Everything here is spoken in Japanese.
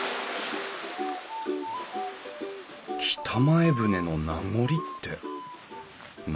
北前船の名残って何だろう？